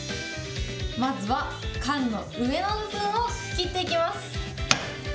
まずは、缶の上の部分を切っていきます。